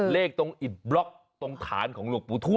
เลขตรงอิดบล็อกตรงฐานของหลวงปู่ทวด